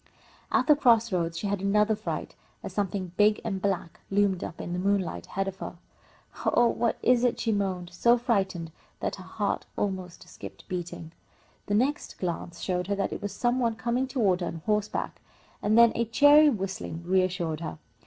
At the cross roads she had another fright, as something big and black loomed up in the moonlight ahead of her. "Oh, what is it?" she moaned, so frightened that her heart almost stopped beating. The next glance showed her that it was some one coming toward her on horseback, and then a cheery whistling reassured her.